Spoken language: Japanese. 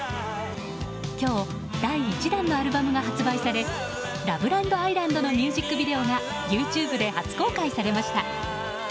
今日、第１弾のアルバムが発売され「ＬＯＶＥＬＡＮＤ，ＩＳＬＡＮＤ」のミュージックビデオがＹｏｕＴｕｂｅで初公開されました。